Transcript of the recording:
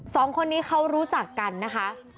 สองคนนี้เขารู้จักกันนะคะ